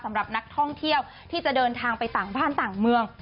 สำหรับนักท่องเที่ยวที่จะเดินทางไปต่างบ้านต่างเมือง